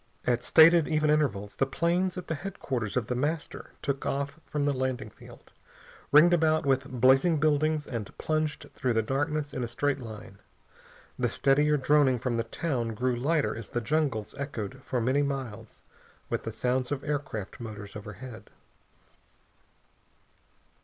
At stated, even intervals the planes at headquarters of The Master took off from the landing field, ringed about with blazing buildings, and plunged through the darkness in a straight line. The steadier droning from the town grew lighter as the jungles echoed for many miles with the sounds of aircraft motors overhead.